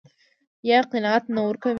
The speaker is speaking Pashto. يا قناعت نه ورکوي.